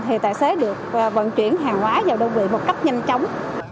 thì tài xế được vận chuyển hàng hóa vào đơn vị một cách nhanh chóng